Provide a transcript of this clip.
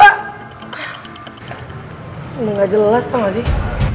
udah gak jelas tau gak sih